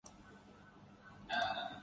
جمال Khashoggi… کیا کہیں؟